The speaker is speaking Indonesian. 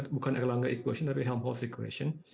bukan erlangga equation tapi helmholtz equation